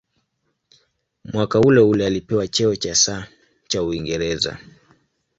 Mwaka uleule alipewa cheo cha "Sir" cha Uingereza.